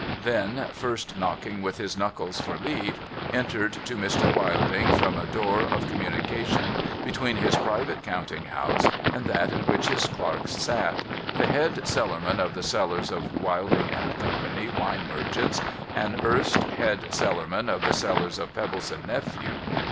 Then (first knocking with his knuckles for leave) entered to Mr. Wilding from a door of com munication between his private counting house and that in which his clerks sat, the Head Cellarman of the cellars of Wilding and Co., Wine Merchants, and erst Head Cellarman of the cellars of Pebbleson Nephew.